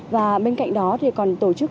và bên cạnh đó còn tổ chức